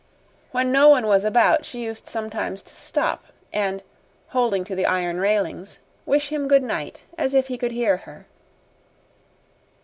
When no one was about she used sometimes to stop, and, holding to the iron railings, wish him good night as if he could hear her.